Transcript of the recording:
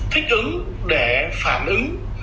thích ứng để phản ứng